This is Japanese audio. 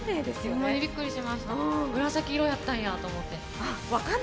ほんまにびっくりしました、紫色やったんやと思って。